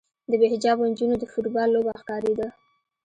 د بې حجابه نجونو د فوټبال لوبه ښکارېده.